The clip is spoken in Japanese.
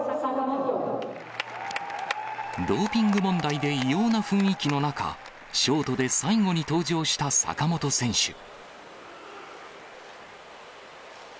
ドーピング問題で異様な雰囲気の中、ショートで最後に登場した坂本選手。